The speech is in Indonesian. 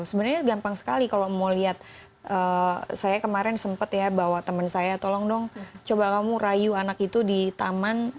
sebenarnya gampang sekali kalau mau lihat saya kemarin sempat ya bawa teman saya tolong dong coba kamu rayu anak itu di taman